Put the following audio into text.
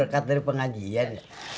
berkat dari pengajian